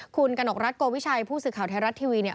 คุณกนกรัฐโกวิชัยผู้ศึกข่าวไทยรัฐทีวี